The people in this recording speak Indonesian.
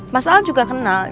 mas om juga kenal